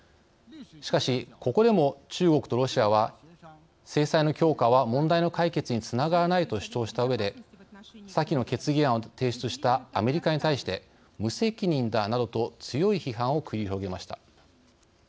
しかしここでも中国とロシアは制裁の強化は問題の解決につながらないと主張したうえで先の決議案を提出したアメリカに対して無責任だなどと強い批判を繰り広げました。